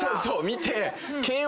見て。